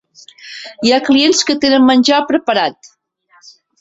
Hi ha clients que tenen menjar preparat.